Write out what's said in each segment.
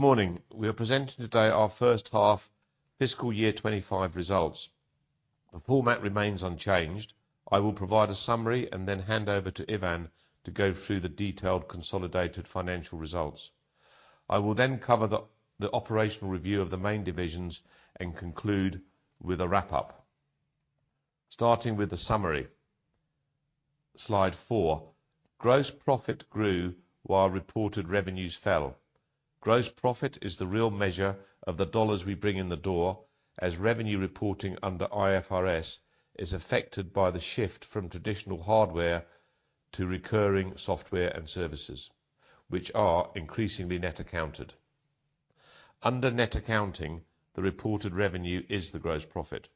Good morning. We are presenting today our first half fiscal year 2025 results. The format remains unchanged. I will provide a summary and then hand over to Ivan to go through the detailed consolidated financial results. I will then cover the operational review of the main divisions and conclude with a wrap-up. Starting with the summary. Slide four. Gross profit grew while reported revenues fell. Gross profit is the real measure of the dollars we bring in the door as revenue reporting under IFRS is affected by the shift from traditional hardware to recurring software and services, which are increasingly net accounted. Under net accounting, the reported revenue is the gross profit.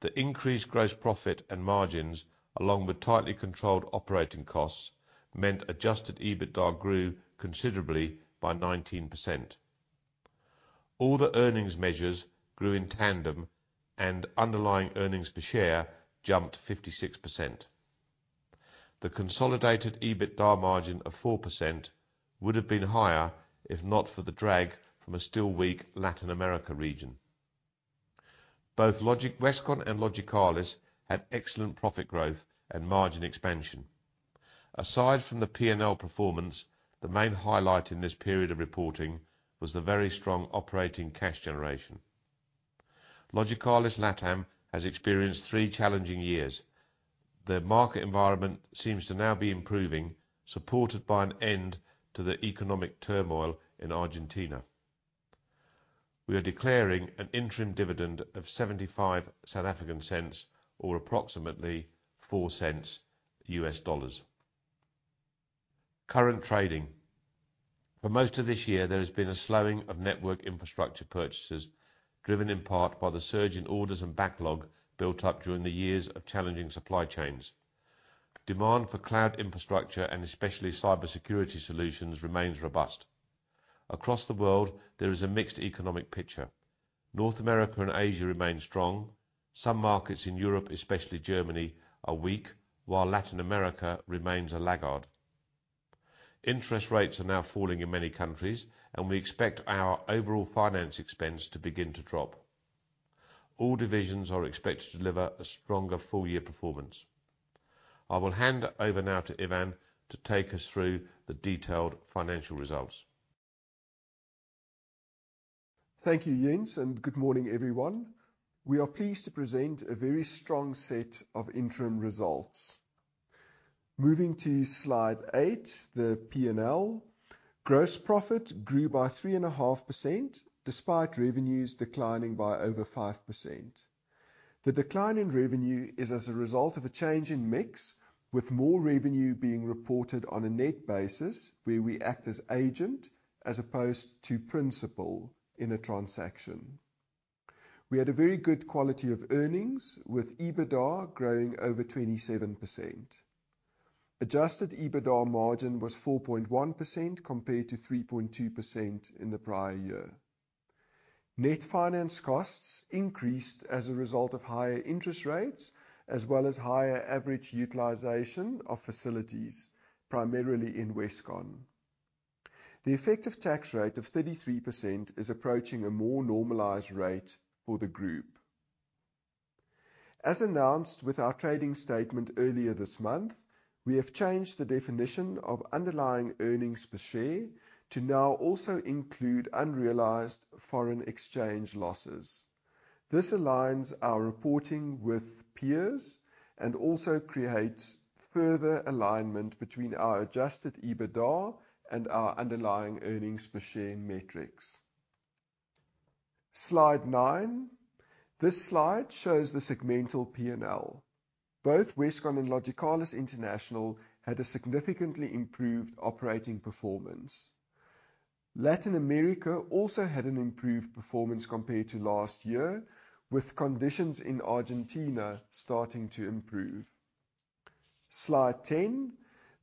The increased gross profit and margins, along with tightly controlled operating costs, meant adjusted EBITDA grew considerably by 19%. All the earnings measures grew in tandem and underlying earnings per share jumped 56%. The consolidated EBITDA margin of 4% would have been higher if not for the drag from a still weak Latin America region. Both Westcon and Logicalis had excellent profit growth and margin expansion. Aside from the P&L performance, the main highlight in this period of reporting was the very strong operating cash generation. Logicalis LATAM has experienced three challenging years. The market environment seems to now be improving, supported by an end to the economic turmoil in Argentina. We are declaring an interim dividend of 0.75 or approximately $0.04. Current trading. For most of this year, there has been a slowing of network infrastructure purchases, driven in part by the surge in orders and backlog built up during the years of challenging supply chains. Demand for cloud infrastructure and especially cybersecurity solutions remains robust. Across the world, there is a mixed economic picture. North America and Asia remain strong. Some markets in Europe, especially Germany, are weak, while Latin America remains a laggard. Interest rates are now falling in many countries, and we expect our overall finance expense to begin to drop. All divisions are expected to deliver a stronger full-year performance. I will hand over now to Ivan to take us through the detailed financial results. Thank you, Jens, and good morning, everyone. We are pleased to present a very strong set of interim results. Moving to slide eight, the P&L. Gross profit grew by 3.5% despite revenues declining by over 5%. The decline in revenue is as a result of a change in mix, with more revenue being reported on a net basis where we act as agent as opposed to principal in a transaction. We had a very good quality of earnings with EBITDA growing over 27%. Adjusted EBITDA margin was 4.1% compared to 3.2% in the prior year. Net finance costs increased as a result of higher interest rates as well as higher average utilization of facilities, primarily in Westcon. The effective tax rate of 33% is approaching a more normalized rate for the group. As announced with our trading statement earlier this month, we have changed the definition of underlying earnings per share to now also include unrealized foreign exchange losses. This aligns our reporting with peers and also creates further alignment between our adjusted EBITDA and our underlying earnings per share metrics. Slide nine. This slide shows the segmental P&L. Both Westcon and Logicalis International had a significantly improved operating performance. Latin America also had an improved performance compared to last year, with conditions in Argentina starting to improve. Slide 10.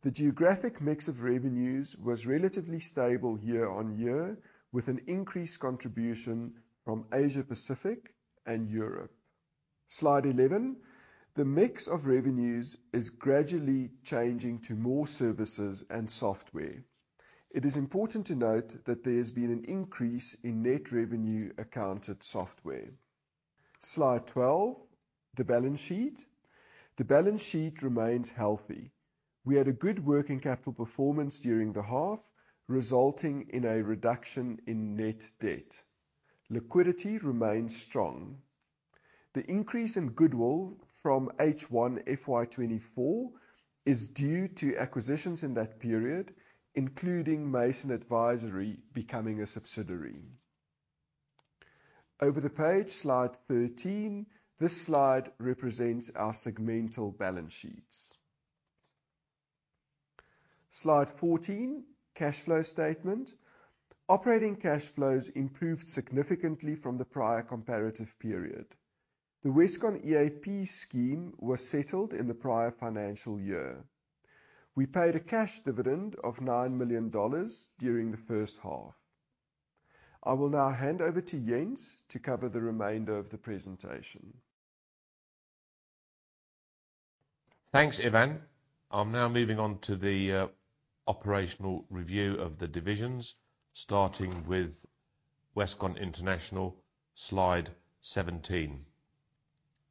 The geographic mix of revenues was relatively stable year-on-year, with an increased contribution from Asia-Pacific and Europe. Slide 11. The mix of revenues is gradually changing to more services and software. It is important to note that there's been an increase in net revenue accounted software. Slide 12, the balance sheet. The balance sheet remains healthy. We had a good working capital performance during the half, resulting in a reduction in net debt. Liquidity remains strong. The increase in goodwill from H1 FY 2024 is due to acquisitions in that period, including Mason Advisory becoming a subsidiary. Over the page, slide 13. This slide represents our segmental balance sheets. Slide 14, cash flow statement. Operating cash flows improved significantly from the prior comparative period. The Westcon EAP scheme was settled in the prior financial year. We paid a cash dividend of ZAR 9 million during the first half. I will now hand over to Jens to cover the remainder of the presentation. Thanks, Ivan. I'm now moving on to the operational review of the divisions, starting with Westcon International, slide 17.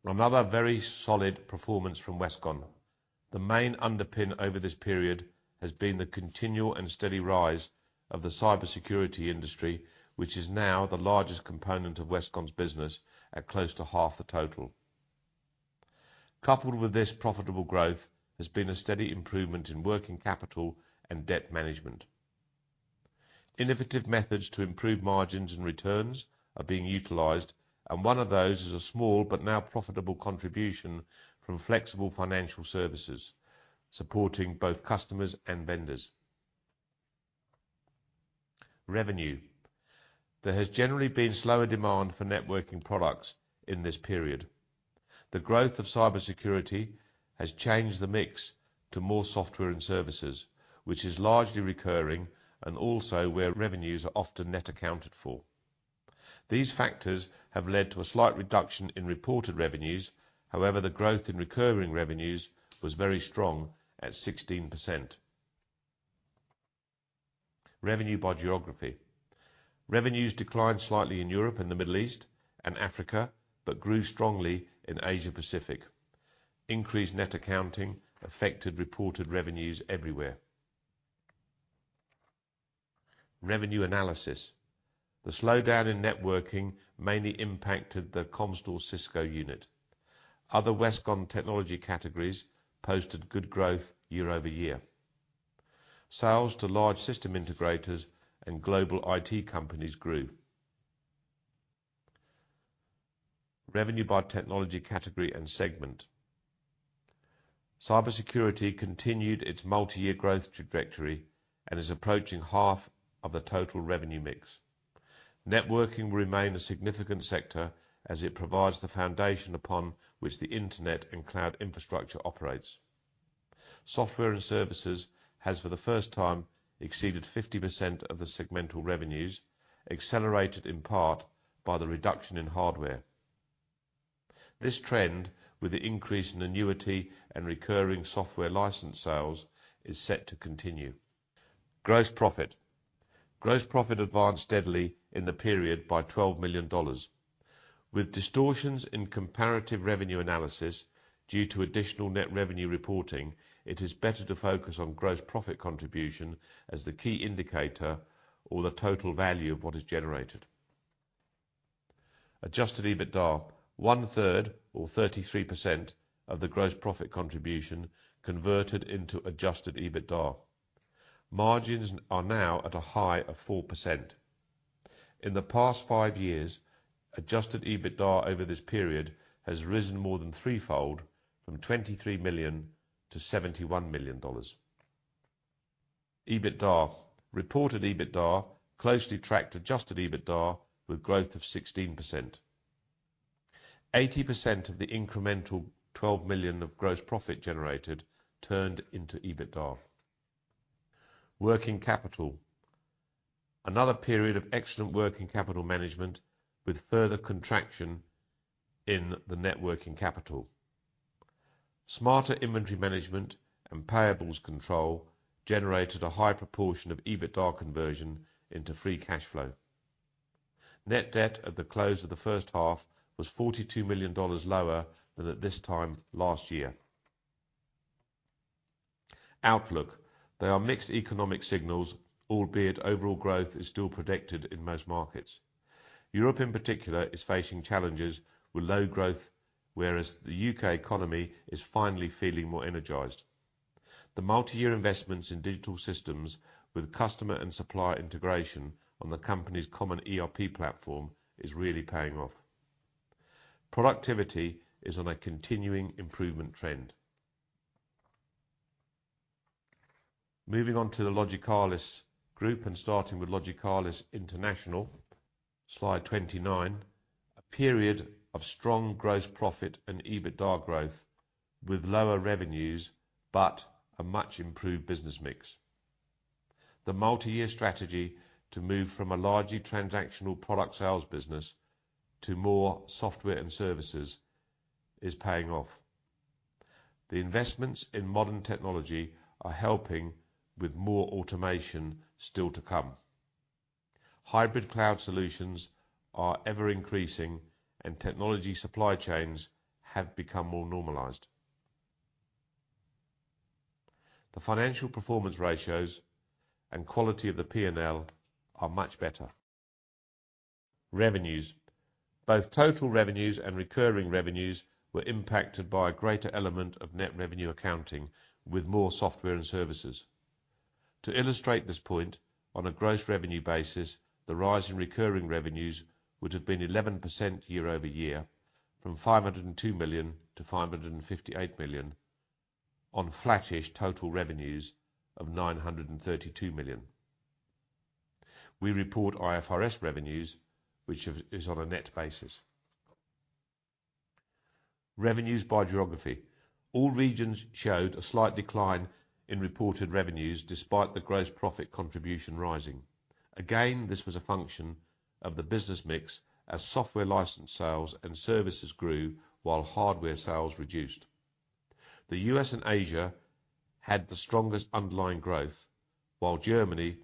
Another very solid performance from Westcon. The main underpin over this period has been the continual and steady rise of the cybersecurity industry, which is now the largest component of Westcon's business at close to half the total. Coupled with this profitable growth has been a steady improvement in working capital and debt management. Innovative methods to improve margins and returns are being utilized, and one of those is a small but now profitable contribution from flexible financial services, supporting both customers and vendors. Revenue. There has generally been slower demand for networking products in this period. The growth of cybersecurity has changed the mix to more software and services, which is largely recurring and also where revenues are often net accounted for. These factors have led to a slight reduction in reported revenues. However, the growth in recurring revenues was very strong at 16%. Revenue by geography. Revenues declined slightly in Europe and the Middle East and Africa, but grew strongly in Asia Pacific. Increased net accounting affected reported revenues everywhere. Revenue analysis. The slowdown in networking mainly impacted the Comstor Cisco unit. Other Westcon technology categories posted good growth year-over-year. Sales to large system integrators and global IT companies grew. Revenue by technology category and segment. Cybersecurity continued its multi-year growth trajectory and is approaching half of the total revenue mix. Networking will remain a significant sector as it provides the foundation upon which the internet and cloud infrastructure operates. Software and services has, for the first time, exceeded 50% of the segmental revenues, accelerated in part by the reduction in hardware. This trend, with the increase in annuity and recurring software license sales, is set to continue. Gross profit. Gross profit advanced steadily in the period by ZAR 12 million. With distortions in comparative revenue analysis due to additional net revenue reporting, it is better to focus on gross profit contribution as the key indicator or the total value of what is generated. Adjusted EBITDA. One third, or 33%, of the gross profit contribution converted into adjusted EBITDA. Margins are now at a high of 4%. In the past five years, adjusted EBITDA over this period has risen more than threefold from 23 million to ZAR 71 million. EBITDA. Reported EBITDA closely tracked adjusted EBITDA with growth of 16%. 80% of the incremental 12 million of gross profit generated turned into EBITDA. Working capital. Another period of excellent working capital management with further contraction in the net working capital. Smarter inventory management and payables control generated a high proportion of EBITDA conversion into free cash flow. Net debt at the close of the first half was ZAR 42 million lower than at this time last year. Outlook. There are mixed economic signals, albeit overall growth is still predicted in most markets. Europe in particular is facing challenges with low growth, whereas the U.K. economy is finally feeling more energized. The multi-year investments in digital systems with customer and supplier integration on the company's common ERP platform is really paying off. Productivity is on a continuing improvement trend. Moving on to the Logicalis Group and starting with Logicalis International, slide 29. A period of strong gross profit and EBITDA growth with lower revenues, but a much improved business mix. The multi-year strategy to move from a largely transactional product sales business to more software and services is paying off. The investments in modern technology are helping with more automation still to come. Hybrid cloud solutions are ever-increasing, and technology supply chains have become more normalized. The financial performance ratios and quality of the P&L are much better. Revenues. Both total revenues and recurring revenues were impacted by a greater element of net revenue accounting with more software and services. To illustrate this point, on a gross revenue basis, the rise in recurring revenues would have been 11% year-over-year from 502 million-558 million on flattish total revenues of 932 million. We report IFRS revenues, which is on a net basis. Revenues by geography. All regions showed a slight decline in reported revenues despite the gross profit contribution rising. Again, this was a function of the business mix as software license sales and services grew while hardware sales reduced. The U.S. and Asia had the strongest underlying growth, while Germany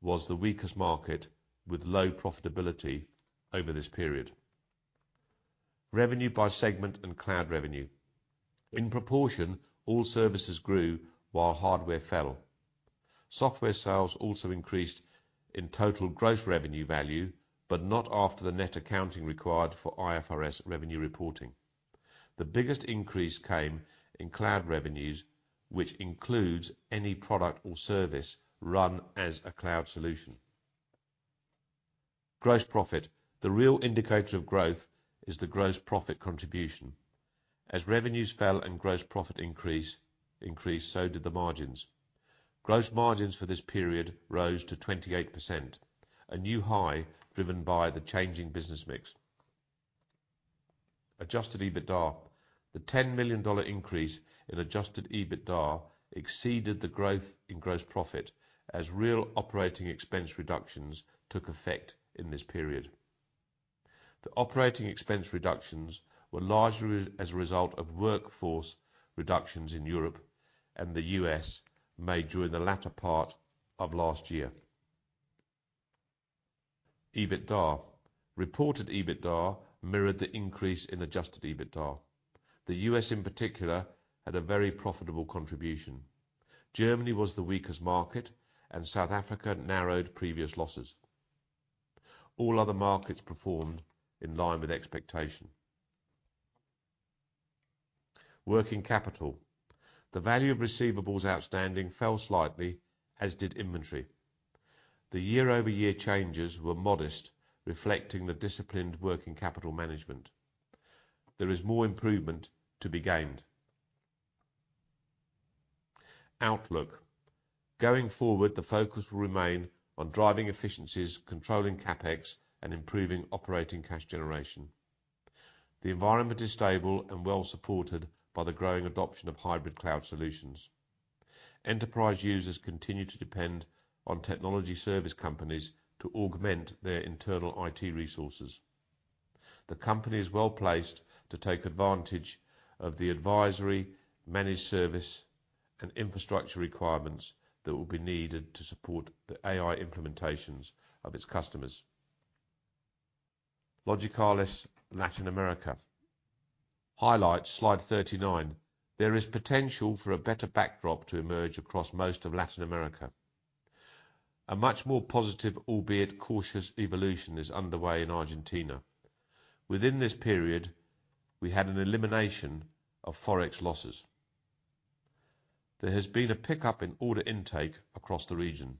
was the weakest market with low profitability over this period. Revenue by segment and cloud revenue. In proportion, all services grew while hardware fell. Software sales also increased in total gross revenue value, not after the net accounting required for IFRS revenue reporting. The biggest increase came in cloud revenues, which includes any product or service run as a cloud solution. Gross profit. The real indicator of growth is the gross profit contribution. As revenues fell and gross profit increased, so did the margins. Gross margins for this period rose to 28%, a new high driven by the changing business mix. Adjusted EBITDA. The ZAR 10 million increase in Adjusted EBITDA exceeded the growth in gross profit as real operating expense reductions took effect in this period. The operating expense reductions were largely as a result of workforce reductions in Europe and the U.S. made during the latter part of last year. EBITDA. Reported EBITDA mirrored the increase in Adjusted EBITDA. The U.S. in particular had a very profitable contribution. Germany was the weakest market and South Africa narrowed previous losses. All other markets performed in line with expectation. Working capital. The value of receivables outstanding fell slightly, as did inventory. The year-over-year changes were modest, reflecting the disciplined working capital management. There is more improvement to be gained. Outlook. Going forward, the focus will remain on driving efficiencies, controlling CapEx, and improving operating cash generation. The environment is stable and well-supported by the growing adoption of hybrid cloud solutions. Enterprise users continue to depend on technology service companies to augment their internal IT resources. The company is well-placed to take advantage of the advisory, managed service, and infrastructure requirements that will be needed to support the AI implementations of its customers. Logicalis Latin America. Highlights, slide 39. There is potential for a better backdrop to emerge across most of Latin America. A much more positive, albeit cautious evolution is underway in Argentina. Within this period, we had an elimination of Forex losses. There has been a pickup in order intake across the region.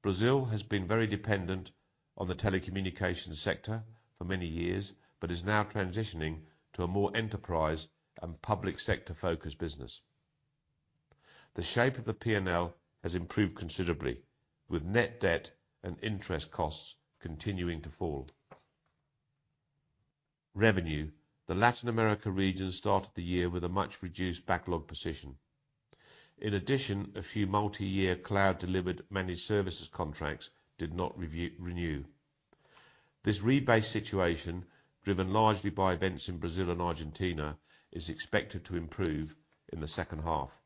Brazil has been very dependent on the telecommunications sector for many years, but is now transitioning to a more enterprise and public sector-focused business. The shape of the P&L has improved considerably, with net debt and interest costs continuing to fall. Revenue. The Latin America region started the year with a much-reduced backlog position. In addition, a few multi-year cloud-delivered managed services contracts did not renew. This rebased situation, driven largely by events in Brazil and Argentina, is expected to improve in the second half.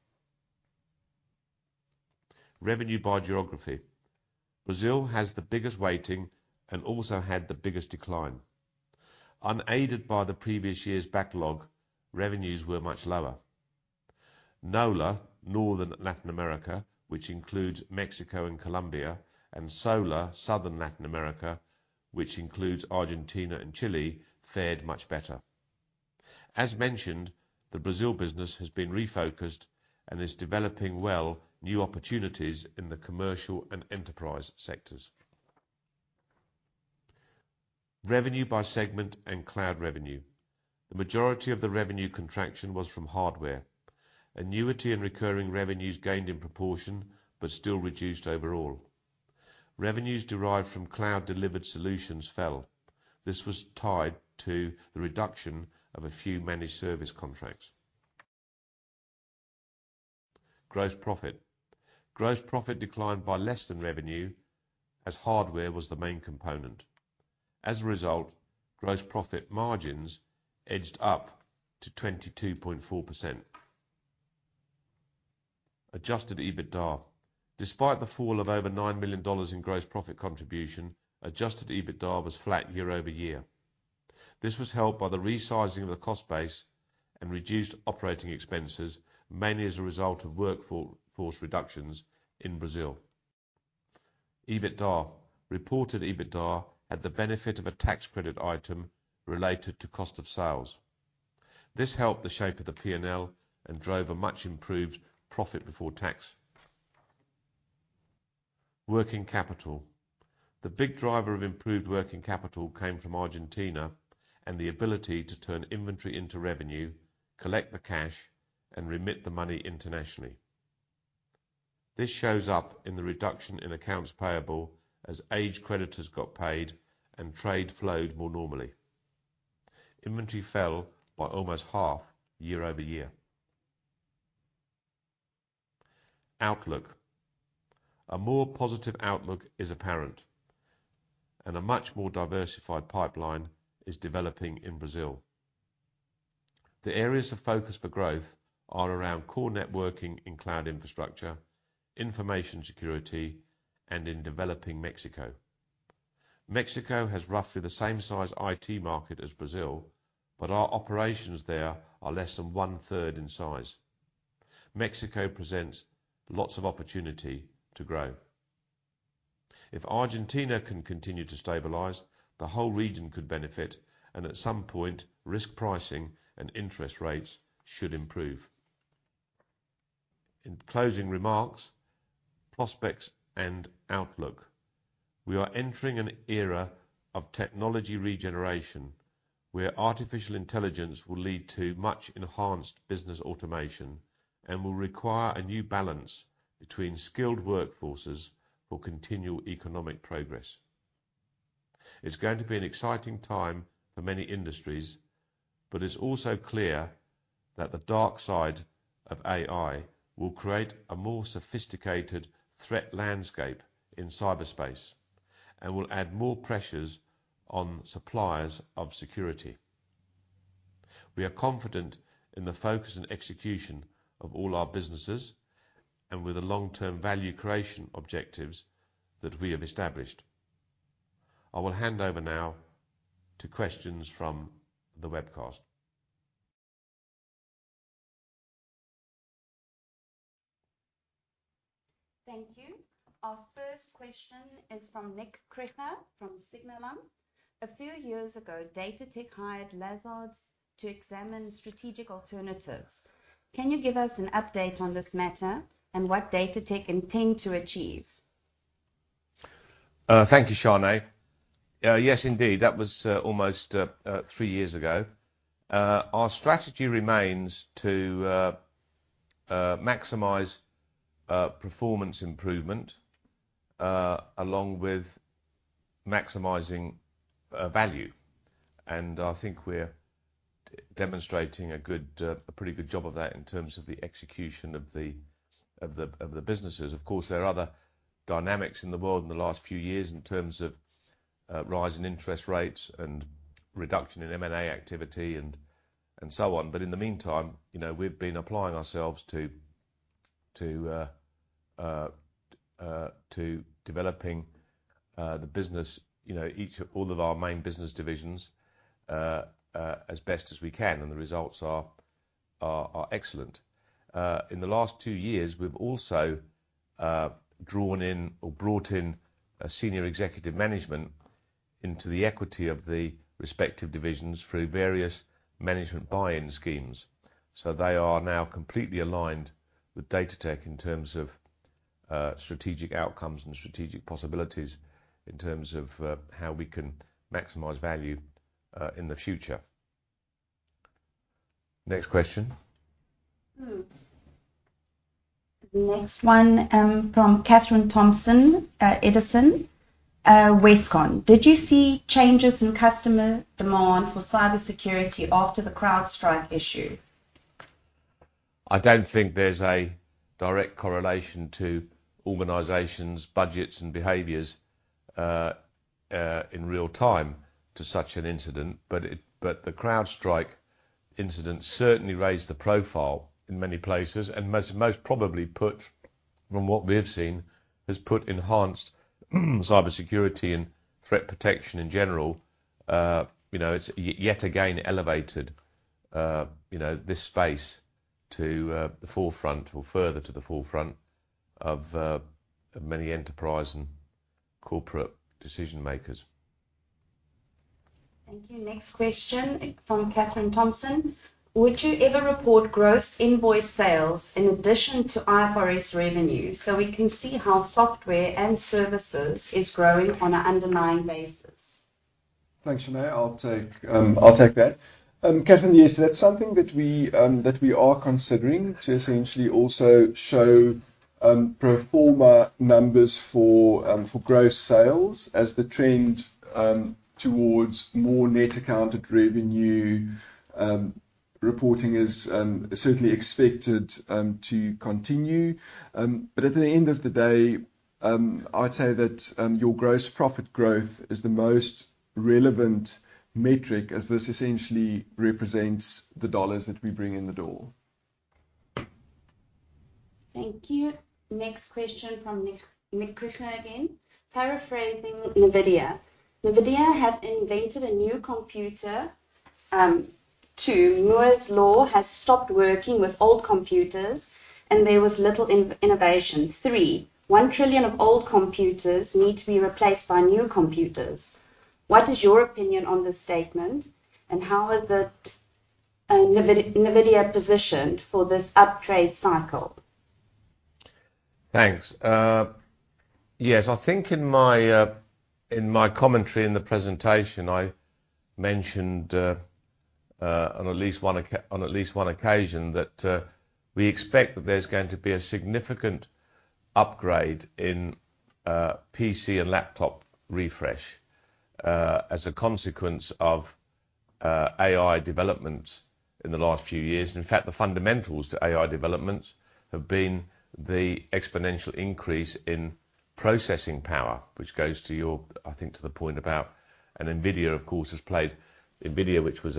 Revenue by geography. Brazil has the biggest weighting and also had the biggest decline. Unaided by the previous year's backlog, revenues were much lower. NOLA, Northern Latin America, which includes Mexico and Colombia, and SOLA, Southern Latin America, which includes Argentina and Chile, fared much better. As mentioned, the Brazil business has been refocused and is developing well new opportunities in the commercial and enterprise sectors. Revenue by segment and cloud revenue. The majority of the revenue contraction was from hardware. Annuity and recurring revenues gained in proportion, but still reduced overall. Revenues derived from cloud-delivered solutions fell. This was tied to the reduction of a few managed service contracts. Gross profit. Gross profit declined by less than revenue as hardware was the main component. Gross profit margins edged up to 22.4%. Adjusted EBITDA. Despite the fall of over $9 million in gross profit contribution, adjusted EBITDA was flat year-over-year. This was helped by the resizing of the cost base and reduced operating expenses, mainly as a result of workforce reductions in Brazil. EBITDA. Reported EBITDA had the benefit of a tax credit item related to cost of sales. This helped the shape of the P&L and drove a much-improved profit before tax. Working capital. The big driver of improved working capital came from Argentina and the ability to turn inventory into revenue, collect the cash, and remit the money internationally. This shows up in the reduction in accounts payable as aged creditors got paid and trade flowed more normally. Inventory fell by almost half year-over-year. Outlook. A more positive outlook is apparent, and a much more diversified pipeline is developing in Brazil. The areas of focus for growth are around core networking in cloud infrastructure, information security, and in developing Mexico. Mexico has roughly the same size IT market as Brazil, but our operations there are less than one-third in size. Mexico presents lots of opportunity to grow. If Argentina can continue to stabilize, the whole region could benefit and, at some point, risk pricing and interest rates should improve. In closing remarks, prospects and outlook. We are entering an era of technology regeneration where artificial intelligence will lead to much-enhanced business automation and will require a new balance between skilled workforces for continual economic progress. It's going to be an exciting time for many industries, but it's also clear that the dark side of AI will create a more sophisticated threat landscape in cyberspace and will add more pressures on suppliers of security. We are confident in the focus and execution of all our businesses and with the long-term value creation objectives that we have established. I will hand over now to questions from the webcast. Thank you. Our first question is from Nick Kirchner from Sygnia. A few years ago, Datatec hired Lazard to examine strategic alternatives. Can you give us an update on this matter and what Datatec intend to achieve? Thank you, Shane. Yes, indeed. That was almost three years ago. Our strategy remains to maximize performance improvement along with maximizing value. I think we're demonstrating a good, a pretty good job of that in terms of the execution of the businesses. Of course, there are other dynamics in the world in the last few years in terms of rising interest rates and reduction in M&A activity and so on. In the meantime, you know, we've been applying ourselves to developing the business, you know, each of all of our main business divisions as best as we can, and the results are excellent. In the last two years, we've also drawn in or brought in senior executive management into the equity of the respective divisions through various management buy-in schemes. They are now completely aligned with Datatec in terms of strategic outcomes and strategic possibilities in terms of how we can maximize value in the future. Next question. The next one, from Katherine Thompson, Edison, Westcon. Did you see changes in customer demand for cybersecurity after the CrowdStrike issue? I don't think there's a direct correlation to organizations' budgets and behaviors in real time to such an incident. The CrowdStrike incident certainly raised the profile in many places and most probably put, from what we have seen, has put enhanced cybersecurity and threat protection in general, you know, it's yet again elevated, you know, this space to the forefront or further to the forefront of many enterprise and corporate decision makers. Thank you. Next question from Katherine Thompson. Would you ever report gross invoice sales in addition to IFRS revenue, so we can see how software and services is growing on an underlying basis? Thanks, Shane. I'll take that. Katherine, yes, that's something that we are considering to essentially also show pro forma numbers for gross sales as the trend towards more net accounted revenue reporting is certainly expected to continue. At the end of the day, I'd say that your gross profit growth is the most relevant metric as this essentially represents the dollars that we bring in the door. Thank you. Next question from Nick Kirchner again. Paraphrasing NVIDIA. NVIDIA have invented a new computer. Two, Moore's Law has stopped working with old computers, and there was little innovation. Three, one trillion of old computers need to be replaced by new computers. What is your opinion on this statement, and how is it NVIDIA positioned for this uptrade cycle? Thanks. Yes. I think in my commentary in the presentation, I mentioned on at least one occasion that we expect that there's going to be a significant upgrade in PC and laptop refresh as a consequence of AI developments in the last few years, and in fact, the fundamentals to AI developments have been the exponential increase in processing power, which goes to your point about. NVIDIA, of course, has played. NVIDIA, which was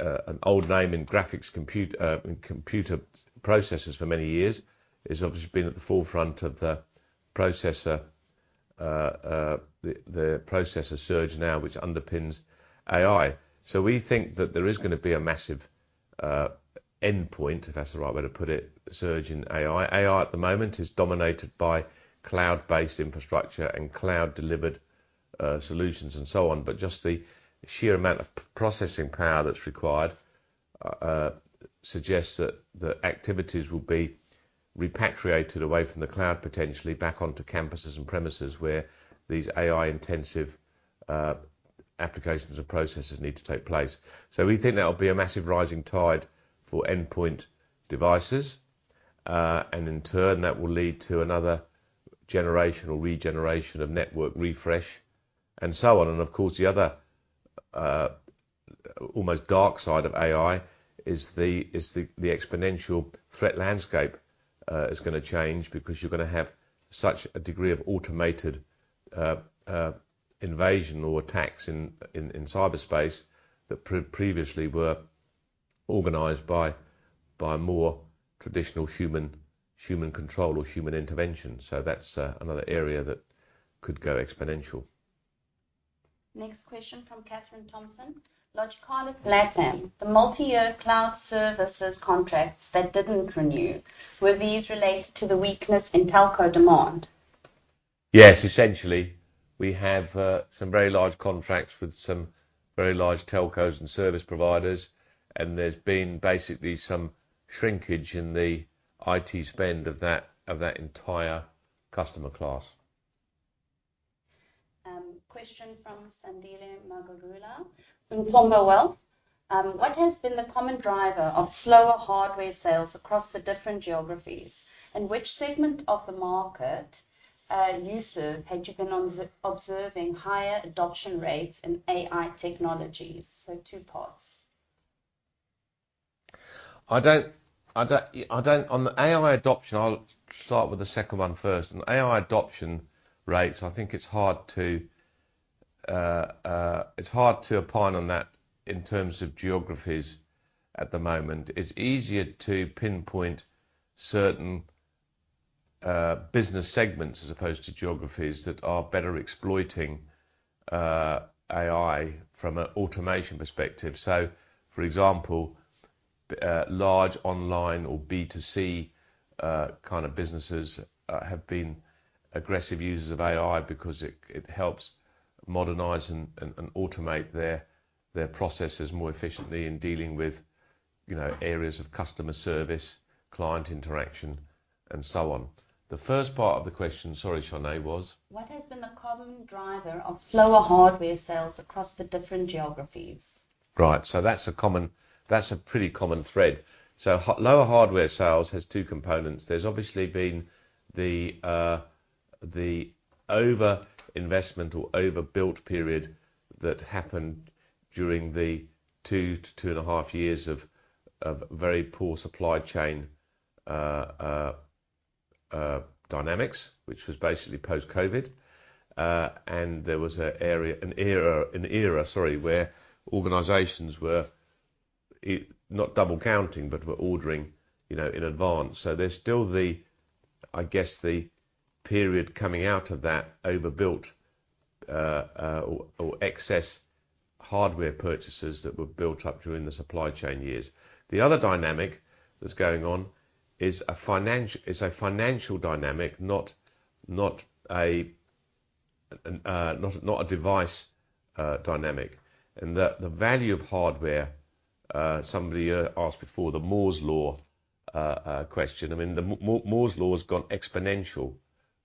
an old name in graphics in computer processors for many years, has obviously been at the forefront of the processor, the processor surge now, which underpins AI. We think that there is gonna be a massive endpoint, if that's the right way to put it, surge in AI. AI at the moment is dominated by cloud-based infrastructure and cloud-delivered solutions and so on. Just the sheer amount of processing power that's required suggests that the activities will be repatriated away from the cloud, potentially back onto campuses and premises where these AI-intensive applications and processes need to take place. We think there'll be a massive rising tide for endpoint devices, and in turn that will lead to another generation or regeneration of network refresh and so on. Of course, the other almost dark side of AI is the exponential threat landscape is gonna change because you're gonna have such a degree of automated invasion or attacks in cyberspace that previously were organized by more traditional human control or human intervention. That's another area that could go exponential. Next question from Katherine Thompson. Logicalis LATAM, the multi-year cloud services contracts that didn't renew, were these related to the weakness in telco demand? Yes. Essentially, we have some very large contracts with some very large telcos and service providers, and there's been basically some shrinkage in the IT spend of that, of that entire customer class. Question from Sandile Magagula. In, what has been the common driver of slower hardware sales across the different geographies? In which segment of the market, you had been observing higher adoption rates in AI technologies? Two parts. On the AI adoption, I'll start with the second one first. On AI adoption rates, I think it's hard to, it's hard to opine on that in terms of geographies at the moment. It's easier to pinpoint certain business segments as opposed to geographies that are better exploiting AI from an automation perspective. For example, large online or B2C kind of businesses have been aggressive users of AI because it helps modernize and automate their processes more efficiently in dealing with, you know, areas of customer service, client interaction and so on. The first part of the question, sorry, Shane, was? What has been the common driver of slower hardware sales across the different geographies? Right. That's a pretty common thread. Lower hardware sales has two components. There's obviously been the over-investment or overbuilt period that happened during the 2-2.5 years of very poor supply chain dynamics, which was basically post-COVID. There was an era, sorry, where organizations were not double counting, but were ordering, you know, in advance. There's still the, I guess, the period coming out of that overbuilt or excess hardware purchases that were built up during the supply chain years. The other dynamic that's going on is a financial dynamic, not a, not a device dynamic. The value of hardware, somebody asked before the Moore's Law question. I mean, the Moore's Law has gone exponential,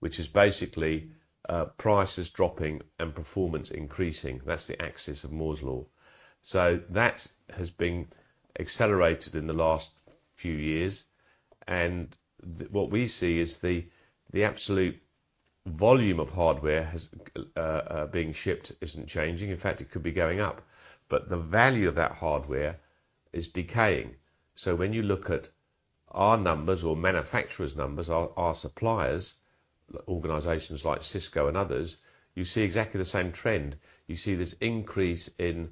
which is basically prices dropping and performance increasing. That's the axis of Moore's Law. What we see is the absolute volume of hardware has being shipped isn't changing. In fact, it could be going up, but the value of that hardware is decaying. When you look at our numbers or manufacturer's numbers, our suppliers, organizations like Cisco and others, you see exactly the same trend. You see this increase in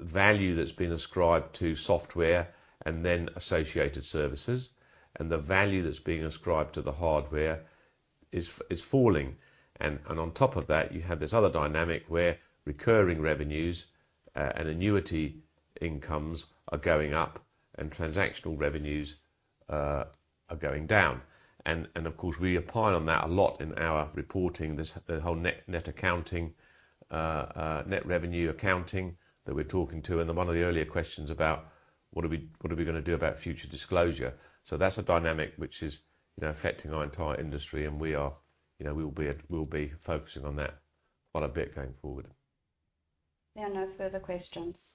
value that's been ascribed to software and then associated services, and the value that's being ascribed to the hardware is falling. On top of that, you have this other dynamic where recurring revenues and annuity incomes are going up and transactional revenues are going down. Of course, we opine on that a lot in our reporting, the whole net accounting, net revenue accounting that we're talking to. One of the earlier questions about what are we gonna do about future disclosure. That's a dynamic which is, you know, affecting our entire industry, and you know, we'll be focusing on that quite a bit going forward. There are no further questions.